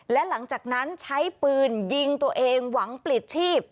และหลังจากนั้นใช้ปืนยิงตัวเองหวังปลิดชีพ